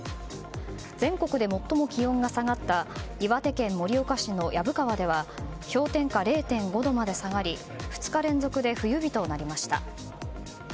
全国で最も気温が下がった岩手県盛岡市の薮川では氷点下０．５度まで下がり２日連続で冬日となりました。